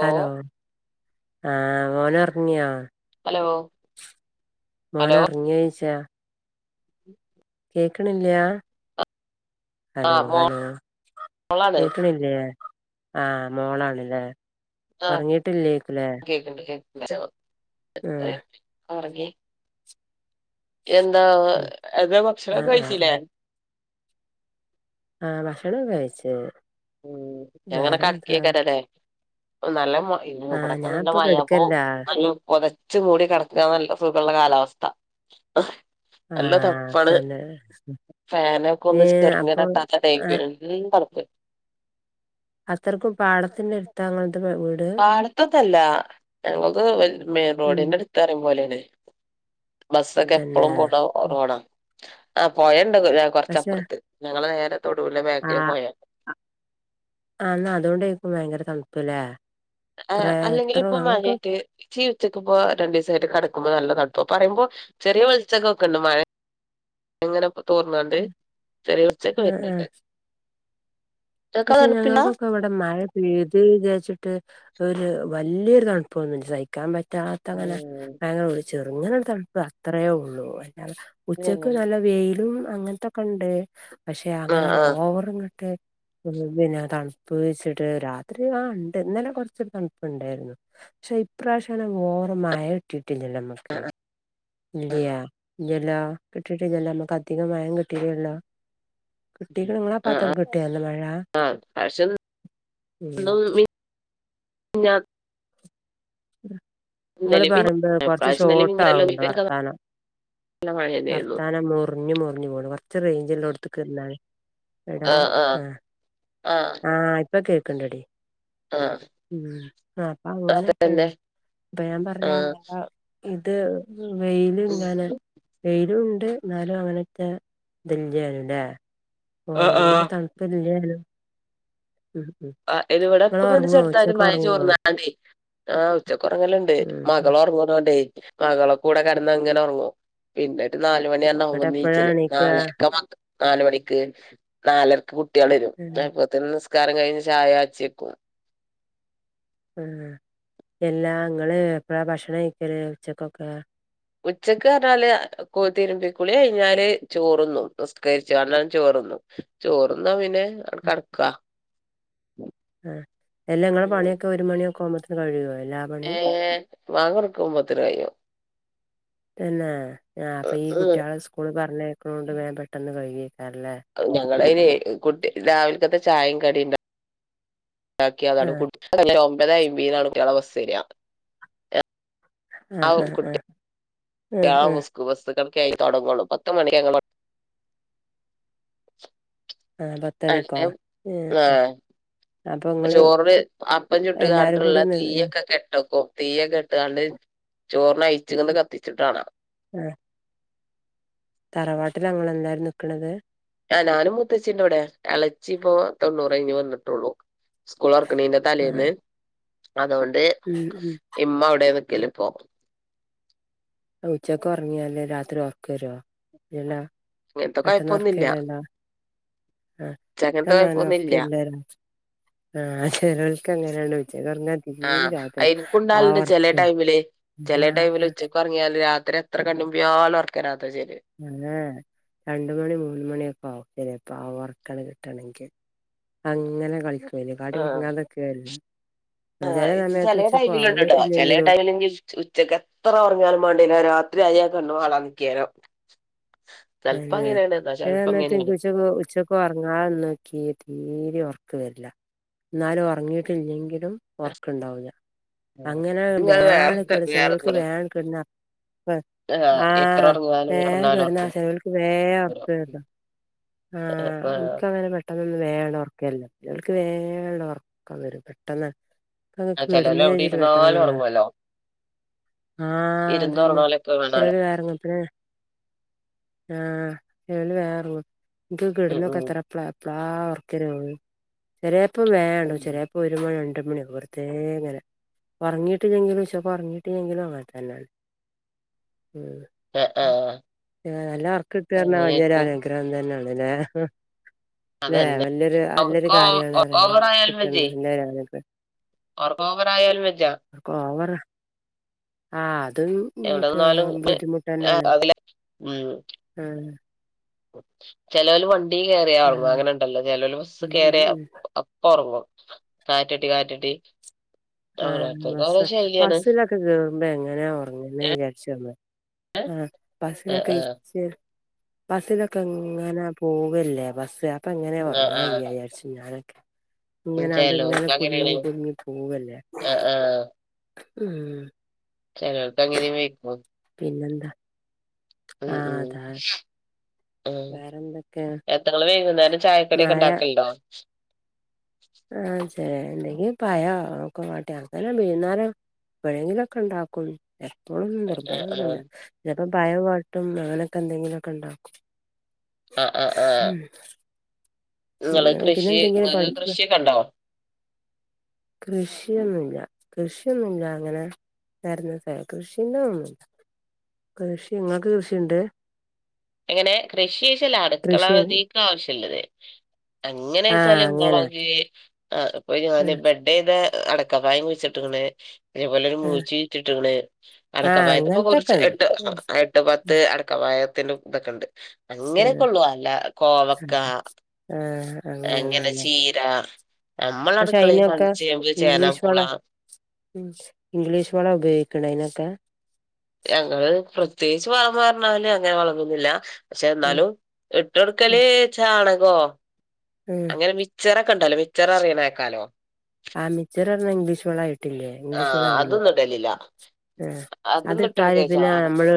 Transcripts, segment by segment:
Hello ആഹ് മോനൊർ ങ്യോ? ഹലോ ഹലോ മോനൊർങ്യോ യ്ച്ച? [inaudible] കേക്ക്ണ്ല്യാ ഹലോ ആഹ് ഹലോ മോളാണ് കേക്ക്ണില്യേ? ആഹ് മോളാണ്ല്ലേ ആഹ് ഒറങ്ങീട്ടില്ലേക്കു ല്ലേ? [unintelligible] ആഹ് ഒറങ്ങി എന്താ അന്റെ ഭക്ഷണം ക്കെ ആഹ് ആഹ് കഴിച്ചിലെ? ആഹ് ഭക്ഷണം ക്കെ കഴിച്ച്. ഉം എങ്ങനെ കട്ക്കേ വേറെന്താ കരാലേ? നല്ല മ പിന്നെ ആഹ് ഇവ്ടക്കെ നല്ല ഞാൻപ്പൊ മഴപ്പൊ കെട്ക്കല്ല നല്ലോം പൊതച് മൂടി കടക്കാ നല്ല സുഖള്ള കാലാവസ്ഥ. അഹ് നല്ല ആഹ് തണ്പ്പാണ് തന്നെ ഫേനൊക്കെ ഒന്ന് ഏഹ് അപ്പൊ ചെർങ്ങനട്ടാ ത്തന്നേയ് ആഹ് [unintelligible] പെയിം തണ്പ്പ്‌ അത്രക്കും പാടത്തിന്റെ ട്ത്താങ്ങള് ത് വ് പാടത്തൊന്നല്ല ഞങ്ങൾത് മെ മെയിൻ ഉം റോഡിന്റെ അട്ത്തറിയും പോലെണ്. ബസ്സൊക്കെ പ്പളും തന്നെ പോണ്ട ഉം. റോഡാ ആഹ് പൊഴണ്ട് പക്ഷെ കൊർച്ചപ്പർത്ത് ഞങ്ങള് നേരെ തൊടൂലേ ബേക്ക്ല് ആഹ് പൊഴെ. ആഹ് ന്നാ അതോണ്ടേക്കും ഭയങ്കര തൺപ്പ് ല്ലേ? ഏഹ് അല്ലെങ്കിലുപ്പോ മഴയ്റ്റ് ച്ചി ഉച്ചക്ക്പ്പൊ രണ്ടിസായിട്ട് കടക്കുമ്പോ നല്ല തൺത്തോ പറിമ്പോ ചെറിയ വെളിച്ചൊക്കെക്കണ്ട് മഴ എങ്ങനെപ്പോ തോർന്നാണ്ട് ചെറിയ ച്ചൊക്കെ ആഹ് വര്ണ് ണ്ട്. പഷെ ഞങ്ങക്കൊക്കെ ഇവ ടെ മഴ പെയ്ത് വിചാരിച്ചിട്ട് ഒരു വല്യരു തണുപ്പൊന്നു സഹിക്കാൻ പറ്റ റ്റാത്ത അങ്ങനെ [unintelligible] ചെർങ്ങനെ ഒര് തൺപ്പാ അത്രയേള്ളൂ അല്ലാതെ ഉച്ചക്ക് നല്ല വെയിലും അങ്ങൻത്തൊക്കണ്ട് പക്ഷെ ആ അങ്ങനെ ഓവർ ഇങ്ങട്ട് പിന്നെ തൺപ്പ് വെച്ച്ട്ട് രാത്രി ആഹ് ണ്ട് ഇന്നലെ കൊർച്ച് തൺപ്പ്‌ണ്ടായിരുന്നു. പക്ഷെ ഇപ്രാവശ്യം ന ഓവർ മഴ കിട്ടിട്ടില്ലല്ലോ മ്മക്ക്? ഇല്ല്യ ഇല്ല്യല്ലോ കിട്ടിട്ടില്ല്യല്ലോ മ്മക്ക് അധികം മഴം കിട്ടില്ലല്ലോ? കിട്ടിക്ണ് ങ്ങളാ ആ ആ ആ പാത്തൊക്കെ കിട്ടിയല്ലെ മഴ പക്ഷെ ഉം. ഞാം ങ്ങള് ഇന്നലിം മിഞ്ഞാ പറിമ്പേ കൊർച്ച് ഇപ്രാവശ്യം ഇന്നലിം ഷോട്ട് മിഞ്ഞാന്നും ആവ്ണ്ട് ഇതിനൊക്കെ വർത്താനം. നല്ല മഴന്നേര്ന്നു വർത്താനം മുർഞ്ഞ് മുർഞ്ഞ് പോണ് കൊർച്ച് റേഞ്ചിള്ളോട്ത്ക്ക് ന്നാ. ആഹ് ആഹ് ആഹ് ആഹ് ഇപ്പ കേക്ക്ണ്ടടി ആ ഉം ആഹ് അപ്പൊ അങ്ങനെയൊക്കെ അതന്നെ ആണ്, ഇപ്പൊ ഞാൻ ആ പറഞ്ഞ് ആള്. ഇത് വെയില് ഉം ഇങ്ങനെ. വെയിലുണ്ട് എന്നാലും അങ്ങനെത്തെ ഇല്ലായിരുന്നില്ലല്ലേ ആ ആ ഓവറ് തണു ഇപ്പോ ഇല്ലേലും. ഉം ആഹ് ഇത് ഇവിടെ ഇങ്ങള് ഇപ്പൊ തന്നെ ഒറങ്ങോ ചെറുതായിട്ട് ഉച്ചക്ക് മഴ ഒറങ്ങോ ചോർന്നാലെ. ആഹ് ഉച്ചക്ക് ഉറങ്ങലുണ്ട് ഉം ഉം മകൾ ഉറങ്ങുനേണ്ട്. മകളെ കൂടെ കിടന്ന് അങ്ങനെ ഉറങ്ങും, പിന്നെ ഒരു നാല് മണിയാവുമ്പളാ ഇന്നട്ട് എപ്പഴാ എണീച്ചല് എണീക്കാ നാളെ അപ്പൊ പന്ത്രണ്ട്. നാല് മണിക്ക് നാലരക്ക് കുട്ട്യാള് വരും, ഉം അപ്പോത്തിന് നിസ്കാരം കഴിഞ്ഞ ചായ അച്ചി വെക്കും. ഉം എല്ലാ ഇങ്ങള് എപ്പഴാ ഭക്ഷണം കഴിക്കല് ഉച്ചക്കൊക്കെ. ഉച്ചക്ക് പറഞ്ഞാല് കൊ തിരുമ്പിക്കുളി കഴിഞ്ഞാല് ചോറ് തിന്നും, നിസ്കരിച്ചുയേണ്ടേ ചോറ് തിന്നും. ചോറ് തിന്നാൽ പിന്നെ അവിടെ കിടക്കാ. ആഹ് എല്ലാ ഇങ്ങളെ പണിയൊക്കെ ഒരു മണിയൊക്കെ ആകുമ്പോത്തേന് കഴിയുവോ എല്ലാ. പണിയും ഏഹ് ബാങ്കൊടുക്കുമ്പോത്തിനു കഴിയും. തന്നെ ഞാ ഇപ്പൊ ഈ കുട്ട്യേള് സ്കൂളില് പറഞ്ഞേ അയക്കുന്നെണ്ട് വേഗം പെട്ടെന്ന് കഴിയും അല്ലേ. ഞങ്ങള് അയിന് കു രാവിലത്തെ ചായയും കടിയുണ്ടാക്കിയ അത് ആഹ് കുടിക്ക അല്ലാ ഒമ്പത് അയ്മ്പതിന് കുട്ട്യേളെ ബസ് വരുക. ആഹ് ആഹ് ആഹ് ആഹ് ട്ട്യാളെ ആഹ് ബസ് ബസ്ടക്ക ആയി തുടങ്ങോളൂ പത്ത മണി [unintelligible] ആഹ് പത്തണിക്കോ അല്ലെ ആഹ് അപ്പൊ ഇങ്ങള് ചോറിന് അപ്പം ചുട്ട് എല്ലാരും കൊണ്ടുള്ള കൂടി നി തീയൊക്കെ കെട്ടേക്കും. തീയൊക്കെ കെട്ടുക്കണേൽ ചോറിന് അയച്ചുങ്ങാന്നു കത്തിച്ചിട്ട് കാണാം. ആഹ് തറവാട്ടിൽ അങ്ങനെ തന്നെ ആയിരുന്നു നിക്കണേത്. ആഹ് ഞാനും മുത്തച്ഛിന്റെ അവിടെയാ ഇളെച്ചി ഇപ്പോ തൊണ്ണൂറ് കഴിഞ്ഞ് വന്നിട്ടൊള്ളൂ. സ്കൂൾ തൊറക്കുന്നന്റെ തലേന്ന്, ആഹ് അതുകൊണ്ട് ഉം ഉം ഇമ്മ അവിടെ നിക്കല് ഇപ്പോ. ഉച്ചക്ക് ഉറങ്ങിയല് രാത്രി ഉറക്കം വരുമോ, ഇല്ലല്ലോ ഇങ്ങനത്തെ പെട്ടെന്ന് ഒറക്കം കൊഴപ്പൊന്നുല്ല വരൂല്ലല്ലോ? ആഹ് ഉച്ചക്കത്തെ എനിക്കൊന്നും അങ്ങനെ ഉറക്കം കൊഴപ്പൊന്നുല്ല വരില്ലായിരുന്നു. ആഹ് ചിലോർക്കോ അങ്ങനെയാണ് ഉച്ചക്ക് ഉറങ്ങിയാൽ തീരിം ആഹ് രാത്രിയാവും ആഹ് ഉറക്കം. ചെലേ ടൈമില് ഉച്ചയ്ക്ക് ഉറങ്ങിയാല് രാത്രി എത്ര കണ്ണ്മ്പിയാലും ഉറക്കരാത്ത ചേല് ഏഹ് രണ്ട് മണി മൂന്ന് മണിയൊക്കെ ആവും ശരി അപ്പൊ ആ ഉറക്കള് കിട്ടണങ്കിൽ അങ്ങനെ കളിക്കോല് കാടി ആഹ് മുറങ്ങാതൊക്കെല്ല ആഹ് ഇച് ചെലേ ടൈമിലുണ്ട്ട്ടാ ചെലേ ഉറങ്ങിയിട്ടില്ലെങ്കിലും ടൈമിലെങ്കിൽ ഉച്ചക്ക് എത്ര ഉറങ്ങിയാലും മാണ്ടില്ല രാത്രിയായാ കണ്ണ് മാളാൻ നിക്കാലോ [unintelligible] ഉച്ചക് ഉച്ച പ്പ ഒർങ്ങാതന്നക്കി തീരെ ഉറക് വരില്ല ന്നാലു ഉറങ്ങിയിട്ടില്ലെങ്കിലും ഒർക്ണ്ടാവില്ല അങ്ങനെ ഇങ്ങള് വേണം വേറെ കേ ചിലോൽക്ക് വേറെന്തോ വേം കടുന്ന വെ എത്ര ആഹ് ഒറങ്ങിയാലും വേം കെടന്നാലും കട്ന്ന ഒറക്കം ചെലോൽക് വേ ഒർക്കരൂ ആഹ് ഇക്കങ്ങന പ പെട്ടെന്നൊന്ന് വേണ്ട ഉറക്കല്ല ഇൾക്ക് വേണ്ട ഉറക്കം വരും പെട്ടെന്ന് ആഹ് ചെലോല് എവിടെ ഇരുന്നാലും ഒറങ്ങുവല്ലോ [unintelligible] ആഹ് അതന്നെ ഇരുന്നൊറങ്ങണോലൊക്കെ കാണാലോ [unintelligible] ആഹ് എല് വേർ ങ് ഇൻക്ക് ഉം കിടുന്നൊക്കെ എത്ര ഉം പ് പ്ല ഒർക്കരുള്ളു ചെലേപ്പം വേണ്ട് ചെലേ ഒരു മണി രണ്ട് മണി വർതേങ്ങനാ ഒർങ്ങിട്ട്ല്ലെങ്കിലും ശോ പറഞ്ഞിട്ട് ങ്കിലും അങ്ങനെ തന്നെയാണ് ഉം ആഹ് ആഹ് ഏഹ് നല്ലർക്ക്ട്ടാർഞ വല്യരൂ അങ്ങനെക്കും അനുഗ് ങ്ങൻ തന്നെണല്ലേ ല്ലെ അതന്നെ വല്ല്യൊരു അല്ലൊരു ഒറക്കോ കാര്യാണ് റയണേ ഓവറായാലും [unintelligible] നല്ലേരുകാര്യാക്കെ ഒർബോഗടായാലും വെജ്ജാ [unintelligible] ആ അത് എവിടെനിന്നാലും ബെ ആ അതില ഉം ആഹ് ചെലോല് വണ്ടീ കേറിയാ ഒർങ്ങും ആഹ് അങ്ങനെ ഇണ്ടല്ലോ ചെലോല് ബസ്സ് ഉം ഉം കേറിയാ ഉം അപ്പ ഒർങ്ങും കാറ്റട്ടി കാറ്റട്ടി ഓരോര്ത്തർക്ക് ഓരോ ശൈലിയാണ് സ്സ്ക്ക് കേറുമ്പോ എങ്ങനാ ഒർങ്ങുന്നേ വിചാരിച്ചു വന്ന് ആ ആഹ് ബസ്സിലൊക്കെ ആഹ് ഇച്ച് ബസ്സിലൊക്കെ ഇങ്ങനാ പോകല്ലേ ബസ്സ് അപ്പ എങ്ങനാ ഉറങ്ങാൻ ആഹ് കയ്യാ വിചാരിച്ചും ഞാനൊക്കെ ആഹ് ഇങ്ങനെ അത്ങ്ങനെ ചെലോൽക്ക് അങ്ങനെയാണ് കുൽങ്ങി കുൽങ്ങി പോകല്ലേ ആഹ് ആഹ് ഉം ചെലർക്ക് അങ്ങനെ തന്നെ ആയിരിക്കും. പിന്നെ എന്താ ഉം ഉം ഉം വേറെന്തൊക്കെ [unintelligible] വൈകുന്നേരം ചായ കടി ഒക്കെ മഴ ഉണ്ടാക്കല്ലോ. ആഹ് ചെല ഉണ്ടെങ്കിൽ പഴവോ കൊണ്ടങ്ങോട്ട് ഇരുന്നലോ. എപ്പഴെങ്കിലൊക്കെ ഇണ്ടാക്കും എപ്പളൊന്നും ആഹ് ആഹ് നിർബന്ധൊന്നുല്ല ചെൽപ്പം പയംവാട്ടും അങ്ങനൊക്കെ എന്തെങ്കിലൊക്കെ ഇണ്ടാക്കും ആഹ് ആഹ് ആഹ് ഇങ്ങള് പിന്നെ പിന്നെ കൃഷി എന്തെങ്കിലും ഇങ്ങൾക്ക് പഠിപ്പ് കൃഷിയൊക്കെ ഉണ്ടോ? കൃഷിയൊന്നുമില്ല കൃഷിയൊന്നുമില്ല അങ്ങനെ. വരുന്നത് കൃഷിയേണ്ടേ ഒന്നില്ല, കൃഷി ഇങ്ങൾക്ക് കൃഷിയുണ്ടെ. എങ്ങനെ കൃഷിയിട്ടില്ല, കൃഷി അടുക്കളലേക്ക് ആവശ്യമുള്ളത്. അങ്ങനെ ആഹ് വെച്ചാലും അങ്ങനെ മുളകെ ആഹ് അപ്പൊ ആഹ് ബെഡ ഡ് ചെയ്തു അടക്കാ മരം കുഴിച്ചു ഇട്ടിട്ടുണ്ട്. അതേപോലെ ഒരു ആഹ് മൂച്ചി ഇട്ടിട്ടുണ്ട്, അതൊക്കെ ആഹ് വരുമ്പോ കൊറച്ച് അങ്ങനത്തൊക്കെണ്ട് എട്ട് ആഹ് എട്ട്. എട്ട് പത്ത് ആഹ് അടയ്ക്കാമരത്തിന്റെ ഇതൊക്കെ ഉണ്ട്, അങ്ങനെയൊക്കെ ആഹ് ഉള്ളൂ അല്ല കോവക്ക. ആഹ് അങ്ങനെ ചീര നമ്മടെ പക്ഷെ അടുക്കള അയിനൊക്കെ കണ്ട് ചേമ്പ് ചേനാ ഇംഗ്ലീഷ് വളം പോളാം. ഉം ഇംഗ്ലീഷ് വളം ഉപയോഗിക്കണം അതിനൊക്കെ. ഞങ്ങള് പ്രത്യേകിച്ച് വളയെന്ന് പറഞ്ഞാല് അങ്ങനെ വളം ഒന്നുമില്ല, പക്ഷെ ഉം എന്നാലും. ഇട്ട് ഉം കൊടുക്കല് ചാണകോ. ഉം അങ്ങനെ മിച്ചറക്കെണ്ടല്ലോ മിച്ചറ അറിയനേക്കാലോ ആ മിച്ചർഞ്ഞ ഇംഗ്ലീഷ് വളായിട്ടില്ലേ ആ ഇംഗ്ലീഷ് വള ആയില്ലേ അതൊന്നും ഇടലില്ല ആ അത് അതൊന്നും കാര്യാ പിന്നെ അ ഇട്ടൊടുക്ക മ്മ മ്മള്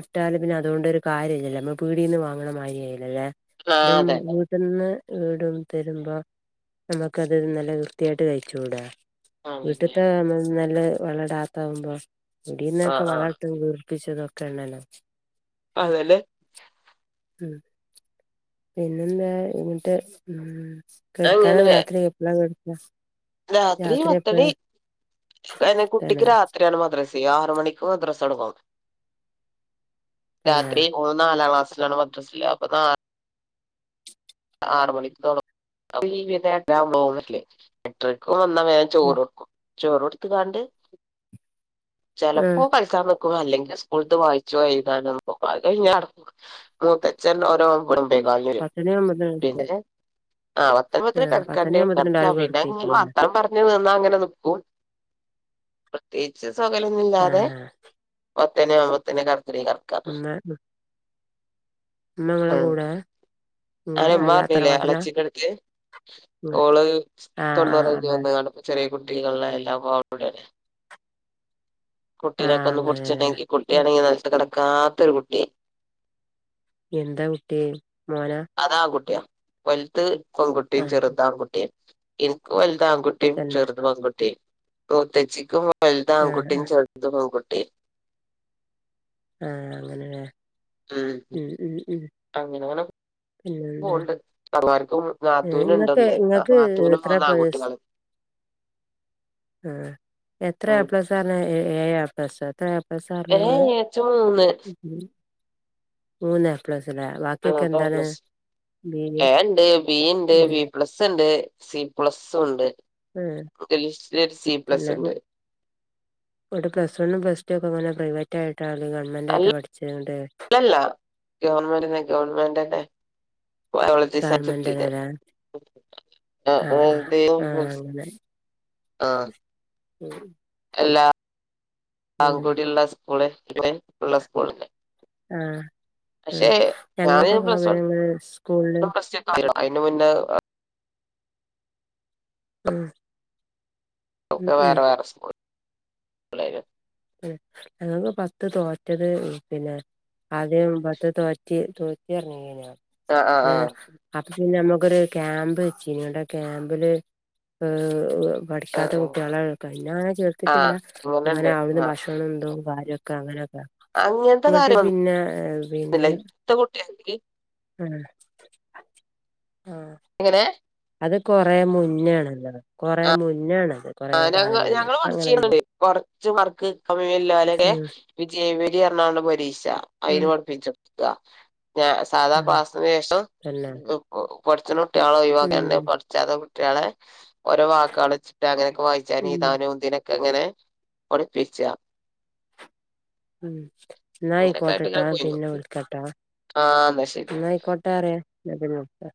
ഇട്ടാല് പിന്നെ അതുകൊണ്ടരു കാര്യംല്ലല്ലേ നമ്മൾ പീടിന്ന് മാങ്ങണ മാതിരി ആയില്ലോ അല്ലേ ആ അതും അതെ വീട്ടന്ന് വീടും തരുമ്പോ നമുക്ക് അത് ഇന്നലെ വൃത്തിയായിട്ട് കഴിചുടെ അതെ വീട്ടത്തെ നല്ല വെള്ടാത്ത ആകുമ്പോ ആ ആ കുടീന്നൊക്കെ ആ വളത്ത് വീർപ്പിച്ചതും ക്കെ എണ്ണണം അതല്ലെ ഉം പിന്നെന്താ ഇങ്ങിട്ട് ഊമ്മ് കെടുക്കാന അങ്ങനെ രാത്രി എപ്പളാ കെട്ക്ക രാത്രി പത്തണി എ കുട്ടിക്ക് തന്നെ രാത്രിയാണ് മദ്രസ് യാറ് മണിക്ക് മദ്രസടുങ്ങും തന്നെ രാത്രി ഓ നാലാം ക്ലാസ്സിലാണ് മദ്രസ്സില് അപ്പൊ നാ ആറ് മണിക്കോള ടി വി ഡൗന്നില്ലേ ഏട്ടരക്ക് വന്നാ വേഗം ചോറ് ഉം കൊടുക്കും ചോറ് കൊടുത്ത്ങ്ങാണ്ട് ചെലപ്പൊ ആഹ് കളി ക്കാ നിക്കും അല്ലെങ്കി സ്കൂൾത്ത് വായിച്ചു എഴുതാനും പോ അത് കയിഞ്ഞട മൂത്ത ച്ചൻ ഓരോ കുടും മ്പേകാലിന് വരും പത്തണി ആവുമ്പത്തിന് കെടക്കും പിന്നെല്ലേ ആ ആഹ് പത്തണി ആവുമ്പത്തിന് എല്ലാരും കെടക്കേക്കുല്ലേ [unintelligible] പിന്നെ നിന്നാ അങ്ങനെ നിക്കും പ്രത്യേകിച്ച് സൊകലൊന്നും ഇല്ലാതെ ആഹ് പത്തനാവ്മ്പത്തിന് കത്രിക ഇമ്മ ഉം മ്മങ്ങളെ കൂടെ ഇങ്ങളെ അയിന് മ്മ അല്ല പിലെ തറവാട്ടിലാ എളച്ചിന്റടുക്ക് ആഹ് ഓള് തൊണ്ണൂറ് ആഹ് കയ്ഞ്ഞു അതെ വന്ന് കാണും ചെറിയ കുട്ടികളില്ലല്ലേ അപ്പൊ ഓളൂടേണ് ആഹ് കുട്ടീനെക്കൊന്ന് പുടിച്ചണെങ്കി അങ്ങനെല്ലേ കുട്ടിയാണെങ്കി നെലത്ത് കടക്കാത്തൊരു കുട്ടി എന്താ കുട്ടി മോനാ അതാ ആൺകുട്ടിയ വലുത് പെൺകുട്ടീം ആഹ് ചെറുത് ആൺകുട്ടീം ഇനിക്ക് വലുതാൺകു ട്ടീം തന്നെ ചെറുത് പെൺകുട്ടി മൂത്തച്ചിക്കും വലുത് ആൺകുട്ടീം ആഹ് ചെറുത് പെൺകുട്ടി ആ അങ്ങനെലേ ഉം അങ്ങനങ്ങനെ പിന്നെന്താ പോൺണ്ട് തള്ളാർക്കും ഏഹ് ഇങ്ങക്ക് നാത്തൂനുണ്ടൊന്ന് ആ ഇങ്ങക്ക് നാത്തൂന് മുന്ന് ആൺകുട്ടികൾ ആ എത്ര ഉം എപ്ലസാണ് ഏഴപ്ള സോ എത്ര? ഏ ഏ ച്ച് മൂന്ന് മ്മ് മൂന്ന് എപ്ലസിലേ വ ആ ണ്ടൊപ്ലസ് ഏണ്ട് ബീ ണ്ട് ഏഹ് ബിപ്ലസ്സ്ണ്ട് സി പ്ലസ്സുണ്ട് ഉം തന്നെ ഉണ്ട് ഇവിടെ പ്ലസ്സ് വണ്ണും പ്ലസ് ടു ഒക്കെങ്ങെനെ പ്രൈവറ്റ് ആയിട്ടാ അതൊ ഗവൺമെന്റായിട്ടാ പഠിച്ചത് ങ്ങ്ണ്ട് ഇല്ലല്ല ഗവൺമെന്റിനെ ഗവൺമെന്റ്ന്നെ ബയോളജി സയൻസാ ട്തീന്നെ ഗവൺമെന്റന്നെല്ലേ ആഹ് ആ ആഹ് ആഹ് അങ്ങനെ [unintelligible] ആ ഉം എല്ലാ ഉം ഔകൂടിള്ള സ്കൂള് നെ ഇള്ള സ്കൂളിനെ ആ ഉ ഞാന് ഞങ്ങക്കൊക്കെ അവരങ്ങനെ സ്കൂളില് [unintelligible] അതിന്റെ മുന്നേ ഉം ഉം ഒക്കെ ഉം വേറെ വേറെ സ്കൂൾ പിള്ളേര് ഉം ഞങ്ങൾക്ക് പത്ത് തോറ്റത് പിന്നെ ആദ്യം പത്ത് തോറ്റി തോറ്റ് പറഞ്ഞെയ്ന്നിലേ ആ ആ ഏ ആ അപ്പൊ പിന്നെ നമ്മുക്കൊരു ക്യാമ്പ് വെച്ചു ഇനൊണ്ട് ആഹ് ക്യാമ്പില് ഹ ആ പഠിക്കാത്ത ആ കുട്ടികളെ പിന്നെ അങ്ങനെ ആ ചേർത്തിട്ടില്ല അങ്ങനെ അങ്ങനെണ്ട് അവിടു ആ ഭക്ഷണം എന്തോും കാര്യൊക്കെ അങ്ങനെയൊക്കെ അങ്ങനത്തെ ഇങ്ങോട്ട് പിന്നെ പിന്നെ സത്ത കുട്ടിയല്ല ആഹ് ആഹ് എങ്ങനെ അത് കൊറേ മുന്നണല്ലത് കൊറേ മുന്നാണത് ആഹ് ഞ ഞങ്ങള്ൾ പഠിച്ച കൊറച്ച് വർക്ക് കമ്മല്ലലക്കെ ഉം വിജയവരി എറണാകുണ്ട് പരീക്ഷ ഉം അയിന് കുഠിപ്പിച്ചു ആഹ് ഞാ സാധാ ആഹ് ക്ലാസന് ശേഷം തന്നെ പറച്ചനും കുട്ടികളോ ഒവാക്കെ ഉം പഠിച്ചാതെ കുട്ടികളെ ഓരോ വാക്കുക ചിട്ടാ അങ്ങനെയൊക്കെ വായി ഉം ജനീതാന ഒന്തിനതിനൊക്കെ അങ്ങനെ ഒളിപ്പിച്ച ഉം എന്നായി ഇങ്ങനെ കോട്ടട്ടാ പോയിരുന്നു പിന്നെ വിളിക്കട്ടാ ആഹ് എന്നാ ശരി ന്നായി കൊട്ടാ പറ